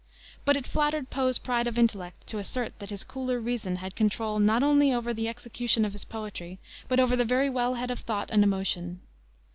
But it flattered Poe's pride of intellect to assert that his cooler reason had control not only over the execution of his poetry, but over the very well head of thought and emotion.